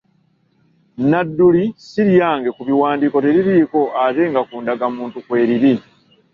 Nadduli siryange ku biwandiiko teririiko ate nga ku ndagamuntu kweriri.